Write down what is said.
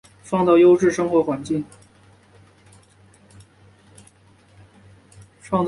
创造优质生活环境